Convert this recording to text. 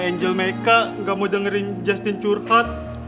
my angel meka gak mau dengerin justin curhat